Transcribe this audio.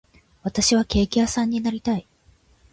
私はケーキ屋さんになりたい